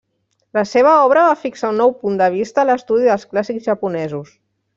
La seva obra va fixar un nou punt de vista a l'estudi dels clàssics japonesos.